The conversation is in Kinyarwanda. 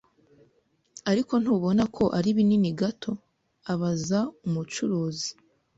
"Ariko ntubona ko ari binini gato?" abaza umucuruzi.